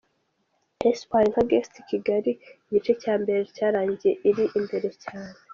Espoir nka ‘Guest’ i Kigali, igice cya mbere cyarangiye iri imbere cyane.